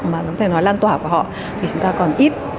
mà có thể nói là lan tỏa của họ thì chúng ta còn ít